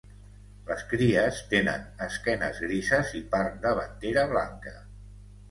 Les cries tenen esquenes grises i part davantera blanca.